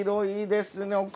いいですね。